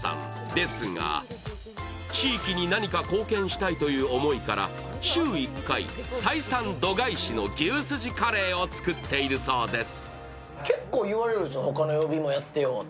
ですが地域に何か貢献したいという思いから週１回、採算度外視の牛すじカレーを作っているそうです。